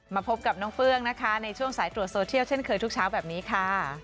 มาพบกับน้องเฟื้องนะคะในช่วงสายตรวจโซเชียลเช่นเคยทุกเช้าแบบนี้ค่ะ